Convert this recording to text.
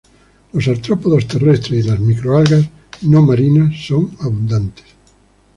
Los artrópodos terrestres y las microalgas no marinas son abundantes.